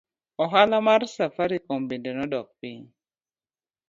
Ohala mar safaricom bende nodok piny.